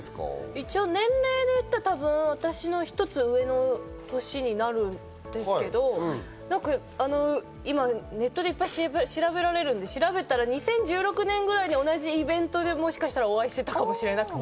一応、年齢でいったら私の１つ上の年になるんですけど、今ネットでいっぱい調べられるので調べたら、２０１６年ぐらいに同じイベントで、もしかしたらお会いしてたかもしれなくて。